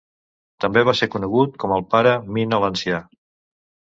També va ser conegut com el pare Mina l'ancià.